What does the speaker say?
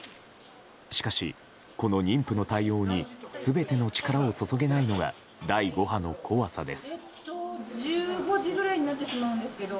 しかし、この妊婦の対応に全ての力を注げないのが第５波の怖さです。